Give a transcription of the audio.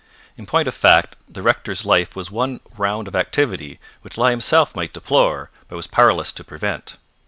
In point of fact, the rector's life was one round of activity which lie himself might deplore but was powerless to prevent.